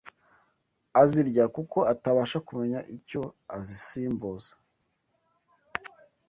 azirya kuko atabasha kumenya icyo azisimbuza